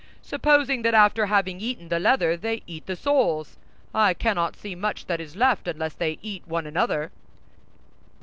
Supposing that after having eaten the leather they eat the soles, I cannot see much that is left unless they eat one another."